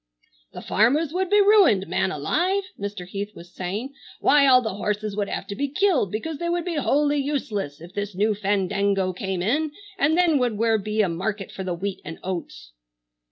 "The farmers would be ruined, man alive!" Mr. Heath was saying. "Why, all the horses would have to be killed, because they would be wholly useless if this new fandango came in, and then where would be a market for the wheat and oats?"